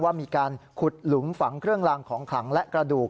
ว่ามีการขุดหลุมฝังเครื่องลางของขลังและกระดูก